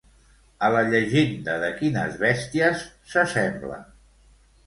A la llegenda de quines bèsties s'assembla?